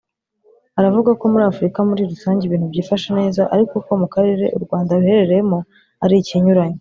Aravuga ko muri Afurika muri rusange ibintu byifashe neza ariko ko mu karere u Rwanda ruherereyemo ari ikinyuranyo